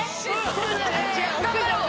「頑張ろう」